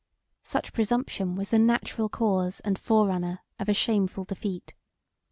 Such presumption was the natural cause and forerunner of a shameful defeat.